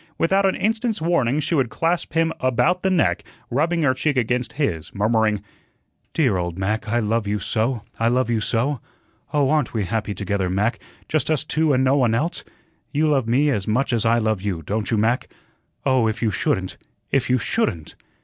Without an instant's warning, she would clasp him about the neck, rubbing her cheek against his, murmuring: "Dear old Mac, I love you so, I love you so. Oh, aren't we happy together, Mac, just us two and no one else? You love me as much as I love you, don't you, Mac? Oh, if you shouldn't if you SHOULDN'T."